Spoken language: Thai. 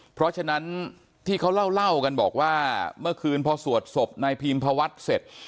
เพราะฉะนั้นที่เขาเล่ากันบอกว่าเมื่อคืนพอสวดศพนายพีมพวัฒน์เสร็จ